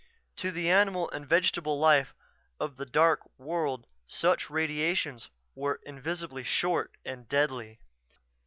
To the animal and vegetable life of the dark world such radiations were invisibly short and deadly.